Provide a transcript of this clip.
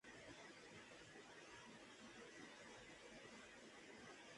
Interiormente, se organiza de una capilla rectangular y una nave dividida en dos tramos.